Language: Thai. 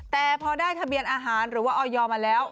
แต่พอได้ทะเบียนอาหารหรือว่าออยมาแล้ว